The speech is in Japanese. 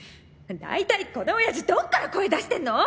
大体このオヤジどっから声出してんの！？